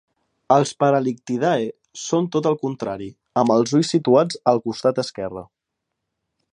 Els "Paralichthyidae" són tot el contrari, amb els ulls situats al costat esquerre.